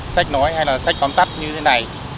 sách nói hay là sách tóm tắt như thế này